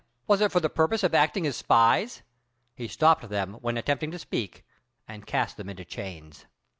was it for the purpose of acting as spies?" He stopped them when attempting to speak, and cast them into chains.